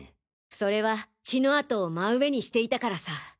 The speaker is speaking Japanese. それは血の跡を真上にしていたからさ！